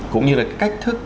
cũng như là cách thức